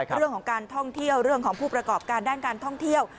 เรื่องของการท่องเที่ยวเรื่องของผู้ประกอบการด้านการท่องเที่ยว